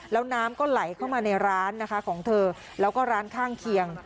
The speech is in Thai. แล้วน้ำก็ไหลเข้ามาในร้านนะคะของเธอแล้วก็ร้านข้างเคียง